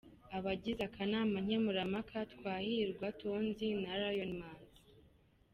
Abagize akanama nkemurampaka ‘Twahirwa, Tonzi na Lion Imanzi